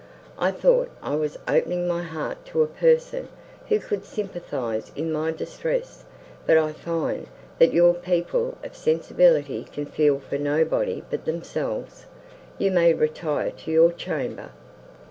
I thought I was opening my heart to a person, who could sympathise in my distress, but I find, that your people of sensibility can feel for nobody but themselves! You may retire to your chamber."